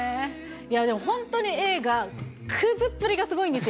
でも本当に映画、くずっぷりがすごいんですよ。